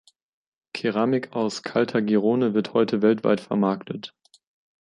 Keramik aus Caltagirone wird heute weltweit vermarktet.